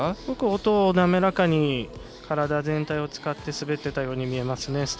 よく音を滑らかに体全体を使って滑っていたように見えますね。